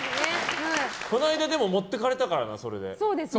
この間、持っていかれたからなでも、それで。